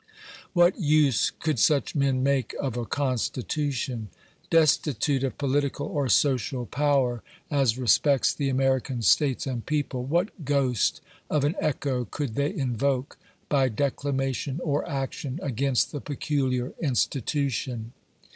What use could such men make of a . Con stitution ? Destitute of political or social power, as respects 2* 14 A VOICE FROM HABFIR'S FERRY. the American States and people, what ghost of an echo could they invoke, by declamation or action, 'against the peculiar • institution?